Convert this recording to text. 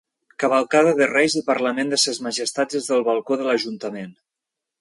Cavalcada de Reis i parlament de Ses Majestats des del balcó de l'ajuntament.